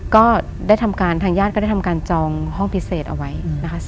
ก็ได้ทำการทางญาติก็ได้ทำการจองห้องพิเศษเอาไว้นะคะ